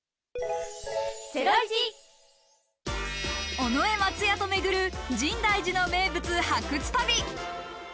尾上松也と巡る深大寺の名物発掘旅。